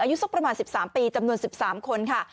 อายุสักประมาณ๑๓ปีจำนวน๑๓คนค่ะ